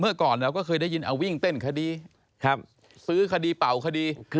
ก่อนเราก็เคยได้ยินเอาวิ่งเต้นคดีซื้อคดีเป่าคดี